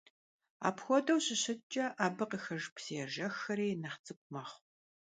Апхуэдэу щыщыткӀэ, абы къыхэж псыежэххэри нэхъ цӀыкӀу мэхъу.